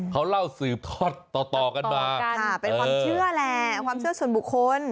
เขาเล่าสืบทอดต่อกันมาค่ะเป็นความเชื่อแหละความเชื่อส่วนบุคคล